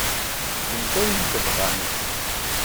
Gemt ayen tebɣamt.